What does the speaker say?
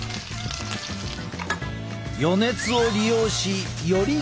余熱を利用しより均一に！